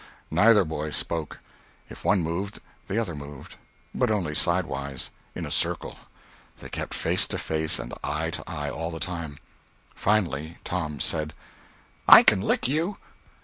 Neither boy spoke. If one moved, the other moved—but only sidewise, in a circle; they kept face to face and eye to eye all the time. Finally Tom said: "I can lick you!"